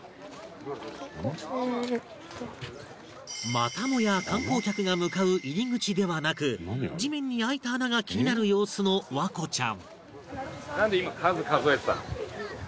またもや観光客が向かう入り口ではなく地面に開いた穴が気になる様子の環子ちゃん